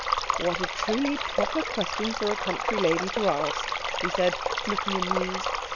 "What a truly proper question for a country lady to ask," he said, looking amused.